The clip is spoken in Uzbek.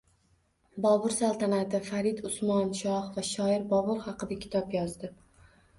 Bobur saltanati — Farid Usmon shoh va shoir Bobur haqida kitob yozdi